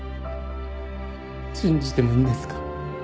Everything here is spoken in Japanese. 信じてもいいんですか？